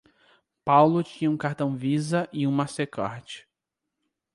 Paulo tinha um cartão Visa e um Mastercard.